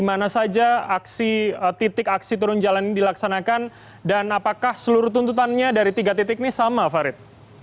mana saja aksi titik aksi turun jalan ini dilaksanakan dan apakah seluruh tuntutannya dari tiga titik ini sama farid